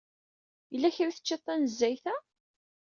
Yella kra i teččiḍ tanezzayt-a?